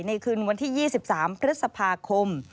คืนวันที่๒๓พฤษภาคม